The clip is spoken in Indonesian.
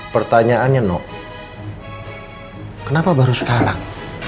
pertanyaannya no kenapa baru sekarang kenapa baru sekarang